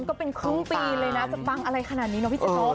ก็เป็นครึ่งปีเลยนะจะบังอะไรขนาดนี้เนาะพี่แจ๊ก